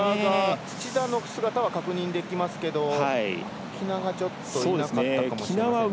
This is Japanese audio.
土田は確認できますが喜納がちょっといなかったかもしれませんね。